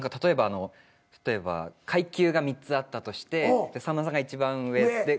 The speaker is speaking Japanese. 例えば階級が３つあったとしてさんまさんが一番上で２